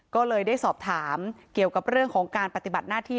ก็เลยได้สอบถามเกี่ยวกับเรื่องของการปฏิบัติหน้าที่